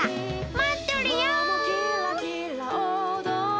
待っとるよ！